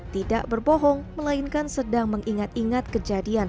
tidak berbohong melainkan sedang mengingat ingat kejadian